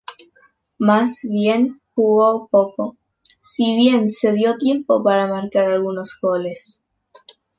Más bien jugó poco, si bien se dio tiempo para marcar algunos goles.